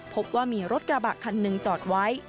พบว่ามีรถกระบะคันหนึ่งจอดไว้